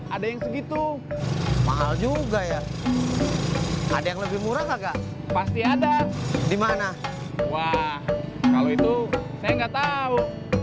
ada yang segitu mahal juga ya ada yang lebih murah kagak pasti ada di mana kalau itu enggak tahu